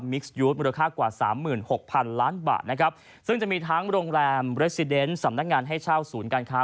ยูทมูลค่ากว่าสามหมื่นหกพันล้านบาทนะครับซึ่งจะมีทั้งโรงแรมเรสซิเดนสำนักงานให้เช่าศูนย์การค้า